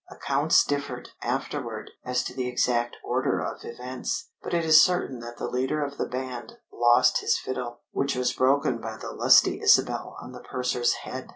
Accounts differed, afterward, as to the exact order of events; but it is certain that the leader of the band lost his fiddle, which was broken by the lusty Isabel on the Purser's head.